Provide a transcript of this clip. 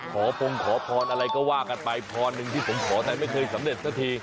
พงขอพรอะไรก็ว่ากันไปพรหนึ่งที่ผมขอแต่ไม่เคยสำเร็จสักที